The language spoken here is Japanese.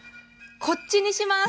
こっちにします。